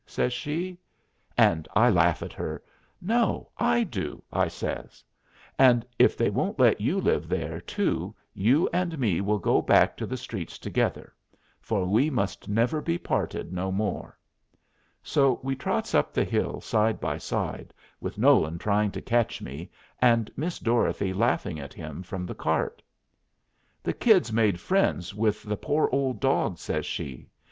says she. And I laugh at her. "No; I do," I says. "And if they won't let you live there, too, you and me will go back to the streets together, for we must never be parted no more." So we trots up the hill side by side, with Nolan trying to catch me, and Miss Dorothy laughing at him from the cart. "The Kid's made friends with the poor old dog," says she.